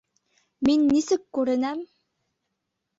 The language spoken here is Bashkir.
Мин нисек күренәм?